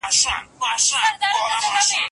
ایا تاسو د سپکو خوړو په نړیوال بازار کې علاقه لرئ؟